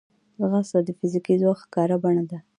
ځغاسته د فزیکي ځواک ښکاره بڼه ده